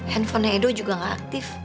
handphonenya edo juga gak aktif